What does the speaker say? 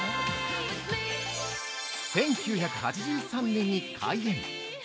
◆１９８３年に開園。